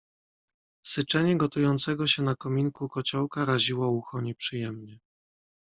"Syczenie gotującego się na kominku kociołka raziło ucho nieprzyjemnie."